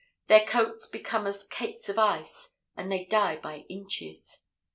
Their coats become as cakes of ice, and they die by inches.